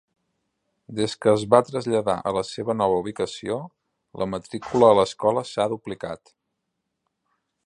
Des que es va traslladar a la seva nova ubicació, la matricula a l'escola s'ha duplicat.